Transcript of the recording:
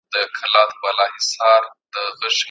ایا اقتصادي شرایط ښه سوي دي؟